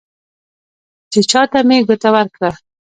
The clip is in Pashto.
چې چا ته مې ګوته ورکړه،